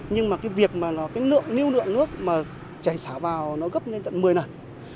nhưng mà cái việc mà nó cái lượng lưu lượng nước mà chảy xả vào nó gấp lên tận một mươi lần